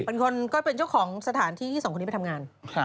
เป็นคนก็เป็นเจ้าของสถานที่สองคนนี้ไปทำงาน